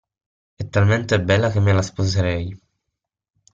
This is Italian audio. È talmente bella che me la sposerei.